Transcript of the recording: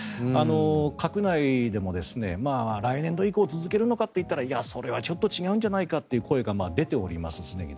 閣内でも来年度以降続けるのかといったらいや、それはちょっと違うんじゃないかという声が出ています。